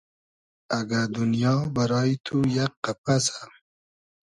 اگۂ دونیا بئرای تو یئگ قئپئسۂ